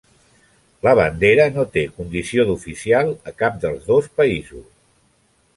La bandera no té condició d'oficial a cap dels dos països.